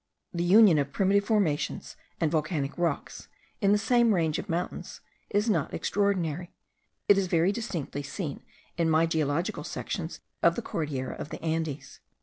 The union of primitive formations and volcanic rocks in the same range of mountain is not extraordinary; it is very distinctly seen in my geological sections of the Cordillera of the Andes.